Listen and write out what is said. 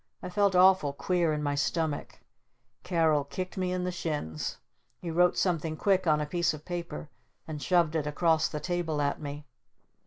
I felt awful queer in my stomach. Carol kicked me in the shins. He wrote something quick on a piece of paper and shoved it across the table at me.